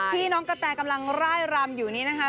พี่น้องกะแทกำลังไล่รำอยู่นี่นะคะ